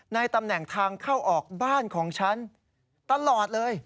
ในตำแหน่งทางเข้าออกบ้านของฉันตลอดเลย